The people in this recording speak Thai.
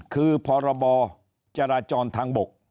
คือพรบจราจรทางบก